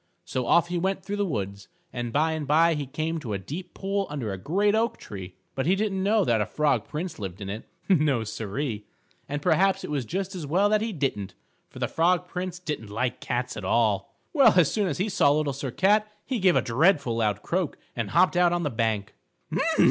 So off he went through the woods, and by and by he came to a deep pool under a great oak tree. But he didn't know that a Frog Prince lived in it. No, Siree. And perhaps it was just as well that he didn't, for the Frog Prince didn't like cats at all. Well, as soon as he saw Little Sir Cat, he gave a dreadful loud croak and hopped out on the bank.